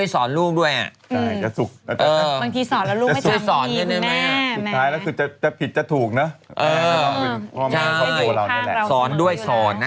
สอนด้วยสอนนะ